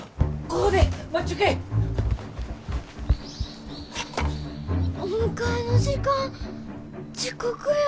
お迎えの時間遅刻や。